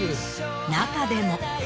中でも。